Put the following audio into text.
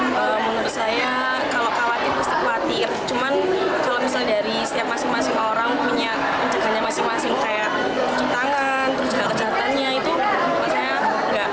menurut saya kalau khawatir pasti khawatir